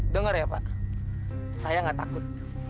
dengar ya pak saya gak takut